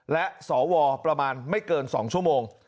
และสวประมาณไม่เกิน๒ชั่วโมง